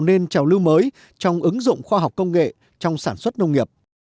nên trào lưu mới trong ứng dụng khoa học công nghệ trong sản xuất nông nghiệp